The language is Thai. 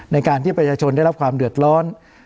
ในการที่ประชาชนได้รับความเดือดร้อน